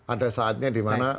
ada saatnya di mana